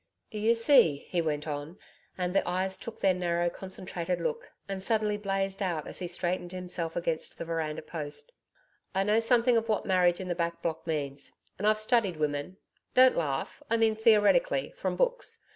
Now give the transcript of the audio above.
'You see,' he went on, and the eyes took their narrow concentrated look and suddenly blazed out as he straightened himself against the veranda post, 'I know something of what marriage in the back block means: and I've studied women don't laugh I mean theoretically from books.